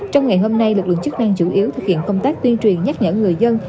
trong ngày hôm nay lực lượng chức năng chủ yếu thực hiện công tác tuyên truyền nhắc nhở người dân